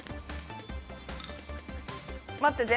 待ってて。